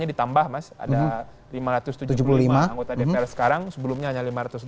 ditambah mas ada lima ratus tujuh puluh lima anggota dpr sekarang sebelumnya hanya lima ratus dua puluh